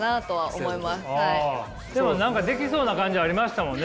でも何かできそうな感じありましたもんね？